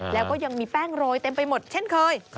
แล้วก็ยังมีแป้งโรยเต็มไปหมดเช่นเคย